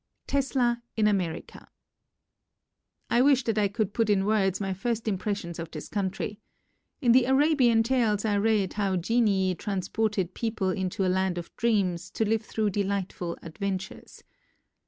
Tesla in America I wish that I could put in words my first impressions of this country In the Arabian Tales I read how genii transported people into a land of dreams to live thru delightful adventures.